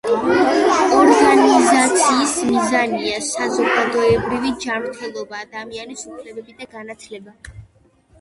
ორგანიზაციის მიზანია: საზოგადოებრივი ჯანმრთელობა, ადამიანის უფლებები და განათლება.